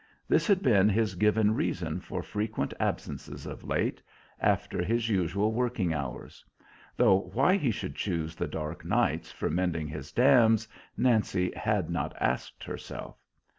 This had been his given reason for frequent absences of late, after his usual working hours; though why he should choose the dark nights for mending his dams Nancy had not asked herself.